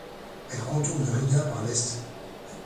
Elle contourne Riga par l'est.